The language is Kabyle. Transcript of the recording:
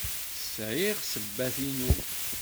Sɛiɣ ssebbat-inu.